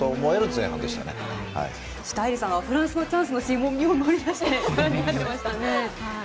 そして、愛莉さんはフランスのチャンスのシーン身を乗り出してご覧になっていましたね。